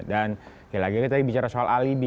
dan lagi lagi tadi bicara soal alibi